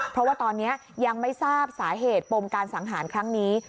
เพราะว่าตอนนี้ยังไม่ทราบสาเหตุปมการสังหารครั้งนี้